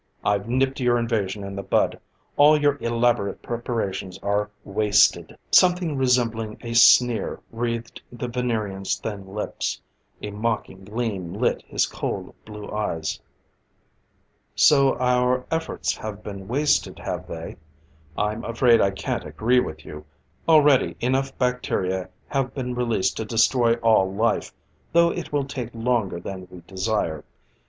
I've nipped your invasion in the bud. All your elaborate preparations are wasted." Something resembling a sneer wreathed the Venerian's thin lips; a mocking gleam lit his cold, blue eyes. "So our efforts have been wasted, have they? I'm afraid I can't agree with you. Already, enough bacteria have been released to destroy all life, though it will take longer than we desire.